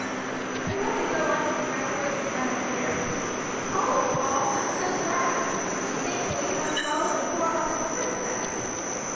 "I hope to go on and to graduate in another year." "Oh, Wal, I'm so glad! so thankful you have'nt followed in poor Arthur's footsteps."